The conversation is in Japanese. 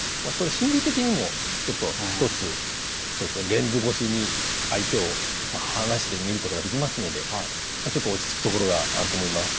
レンズ越しに相手を離して見ることができますのでちょっと落ち着くところがあると思います。